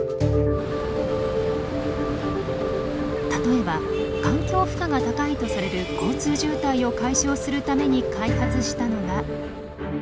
例えば環境負荷が高いとされる交通渋滞を解消するために開発したのが。